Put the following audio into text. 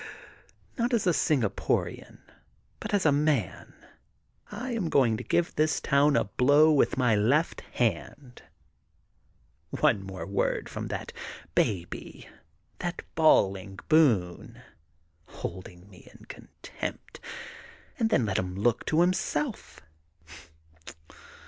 Not as a Singaporian, but as a man, I am going to give this town a blow with my left hand. One more word from that baby, that bawling Boone, holding me in contempt, and then let him look to himself.